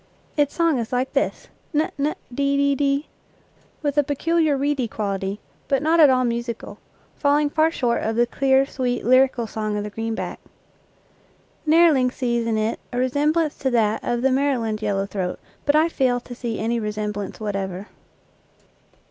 Its song is like this, 'n 'n de de de, with a peculiar reedy quality, but not at all musical, falling far short of the clear, sweet, lyrical song of the green back. Nehrling sees in it a resem blance to that of the Maryland yellow throat, but I fail to see any resemblance whatever.